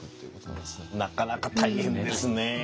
なかなか大変ですね。